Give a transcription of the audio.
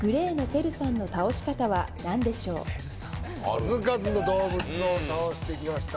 数々の動物を倒してきました